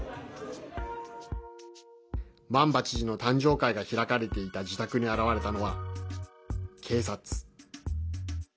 マンバ知事の誕生会が開かれていた自宅に現れたのは警察。